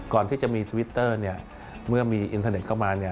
ก่อนที่จะมีทวิตเตอร์เมื่อมีอินเทอร์เน็ตเข้ามา